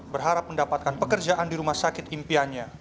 berharap mendapatkan pekerjaan di rumah sakit impiannya